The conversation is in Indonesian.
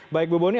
baik ibu boni